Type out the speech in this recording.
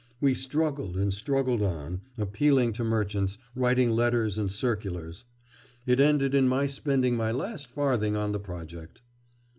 We struggled and struggled on, appealing to merchants, writing letters and circulars. It ended in my spending my last farthing on the project.